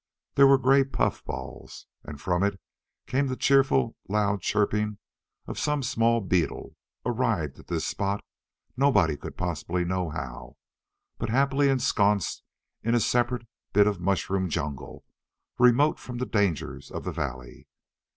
There were gray puffballs. And from it came the cheerful loud chirping of some small beetle, arrived at this spot nobody could possibly know how, but happily ensconsed in a separate bit of mushroom jungle remote from the dangers of the valley.